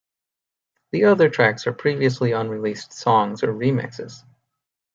The other tracks are previously unreleased songs or remixes.